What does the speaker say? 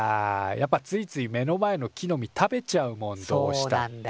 やっぱついつい目の前の木の実食べちゃうもんどうしたって。